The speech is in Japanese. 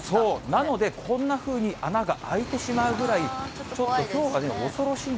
なので、こんなふうに穴が開いてしまうぐらい、ちょっと、怖いですね。